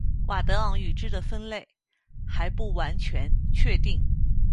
佤德昂语支的分类还不完全确定。